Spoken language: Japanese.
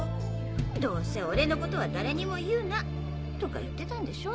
どうせ「俺のことは誰にも言うな」とか言ってたんでしょ？